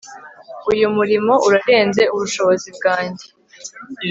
Uyu murimo urarenze ubushobozi bwanjye